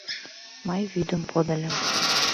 Мый вӱдым подыльым.